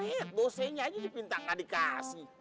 paling pelit dosenya aja dipintang gak dikasih